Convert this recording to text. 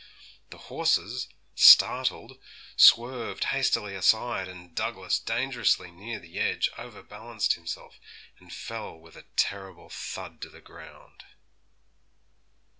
The horses, startled, swerved hastily aside, and Douglas, dangerously near the edge, over balanced himself, and fell with a terrible thud to the ground.